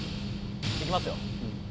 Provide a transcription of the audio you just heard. いきますよ。